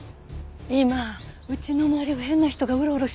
今家の周りを変な人がうろうろしてるのよ。